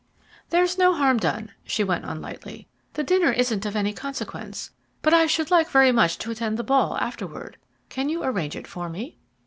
"Then there's no harm done," she went on lightly. "The dinner isn't of any consequence, but I should like very much to attend the ball afterward. Can you arrange it for me?"